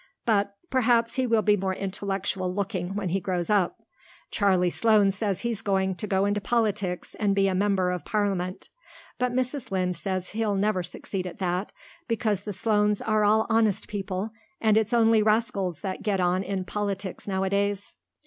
But perhaps he will be more intellectual looking when he grows up. Charlie Sloane says he's going to go into politics and be a member of Parliament, but Mrs. Lynde says he'll never succeed at that, because the Sloanes are all honest people, and it's only rascals that get on in politics nowadays."